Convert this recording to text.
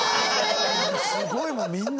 すごい今みんな。